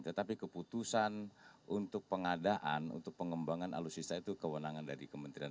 tetapi keputusan untuk pengadaan untuk pengembangan alutsista itu kewenangan dari kementerian